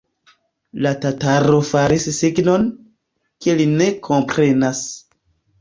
La tataro faris signon, ke li ne komprenas.